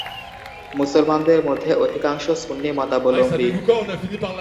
মুসলমানদের মধ্যে অধিকাংশ সুন্নি মতাবলম্বী।